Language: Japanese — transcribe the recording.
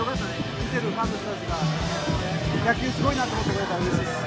見てるファンの人たちが野球すごいなと思ってくれればうれしいです。